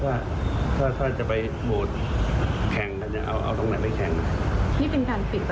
นี่เป็นการปิดประตูในส่วนของซีนี้เลยไหมครับ๑๘๘เสียง